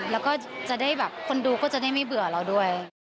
แล้วก็จะได้แบบคนดูก็จะได้ไม่เบื่อเราด้วย